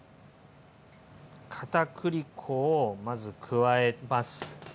かたくり粉をまず加えます。